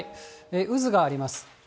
渦があります。